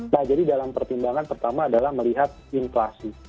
nah jadi dalam pertimbangan pertama adalah melihat inflasi